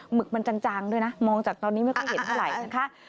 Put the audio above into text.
ึกมันจางด้วยนะมองจากตอนนี้ไม่ค่อยเห็นเท่าไหร่นะคะ